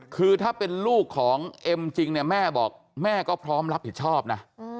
คือถ้าเป็นลูกของเอ็มจริงเนี่ยแม่บอกแม่ก็พร้อมรับผิดชอบนะ